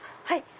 はい。